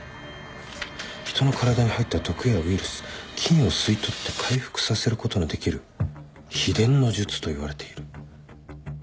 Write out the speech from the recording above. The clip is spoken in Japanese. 「人の体に入った毒やウイルス菌を吸い取って回復させることのできる秘伝の術と言われている」